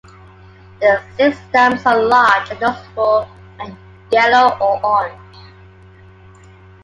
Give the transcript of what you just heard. The six stamens are large and noticeable, and yellow or orange.